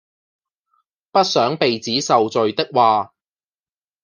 不想鼻子受罪的話